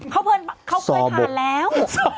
เขาเคยผ่านแล้ว